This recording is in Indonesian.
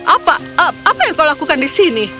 apa apa yang kau lakukan di sini